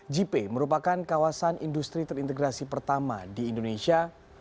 jip merupakan kawasan industri terintegrasi pertama di indonesia